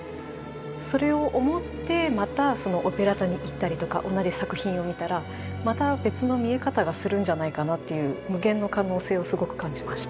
それを思ってまたオペラ座に行ったりとか同じ作品を見たらまた別の見え方がするんじゃないかなっていう無限の可能性をすごく感じました。